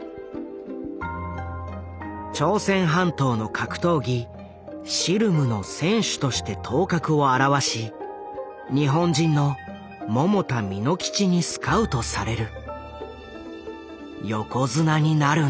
朝鮮半島の格闘技シルムの選手として頭角を現し日本人の百田巳之吉にスカウトされる。